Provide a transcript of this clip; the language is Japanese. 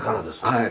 はい。